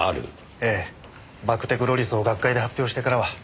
ええバクテクロリスを学会で発表してからは。